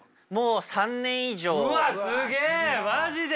うわっすげえマジで！？